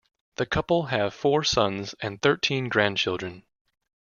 The couple have four sons and thirteen grandchildren.